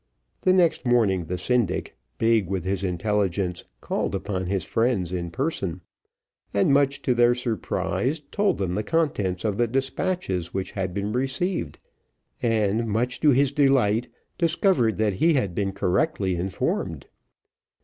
The next morning, the syndic, big with his intelligence, called upon his friends in person, and much to their surprise told them the contents of the despatches which had been received and, much to his delight, discovered that he had been correctly informed.